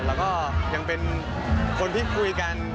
แล้วก็ยังเป็นคนที่คุยกัน